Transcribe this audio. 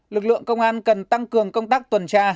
lực lượng công an cần tăng cường công tác tuần tra